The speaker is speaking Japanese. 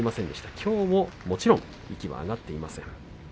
きょうももちろん息はあがっていません高安。